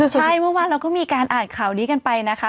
ใช่เมื่อวานเราก็มีการอ่านข่าวนี้กันไปนะคะ